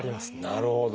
なるほど。